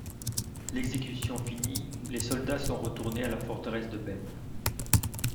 L’exécution finie, les soldats sont retournés à la forteresse de Bem.